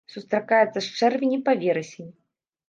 Сустракаецца з чэрвеня па верасень.